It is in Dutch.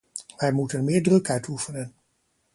Wij moeten meer druk uitoefenen.